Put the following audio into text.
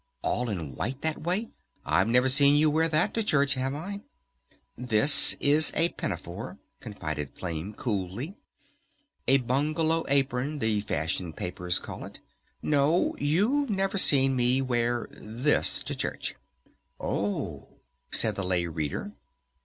All in white that way! I've never seen you wear that to church, have I?" "This is a pinafore," confided Flame coolly. "A bungalow apron, the fashion papers call it.... No, you've never seen me wear this to church." "O h," said the Lay Reader.